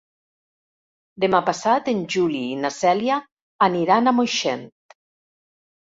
Demà passat en Juli i na Cèlia aniran a Moixent.